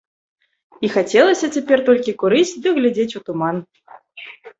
І хацелася цяпер толькі курыць ды глядзець у туман.